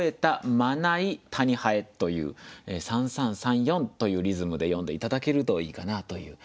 「まない」「たに蠅」という三三三四というリズムで読んで頂けるといいかなという。